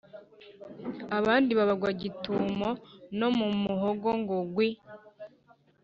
abandi babagwa gitumo no mu muhogo ngo gwi